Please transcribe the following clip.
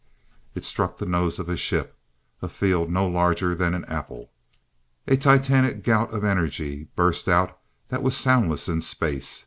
It struck the nose of a ship a field no larger than an apple A titanic gout of energy burst out that was soundless in space.